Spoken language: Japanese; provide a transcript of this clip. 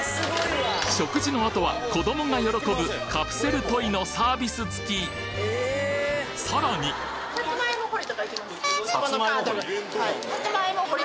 食事のあとは子どもが喜ぶカプセルトイのサービス付きさらにさつまいも掘り？